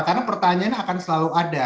karena pertanyaan akan selalu ada